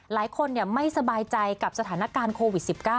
หลายคนไม่สบายใจกับสถานการณ์โควิด๑๙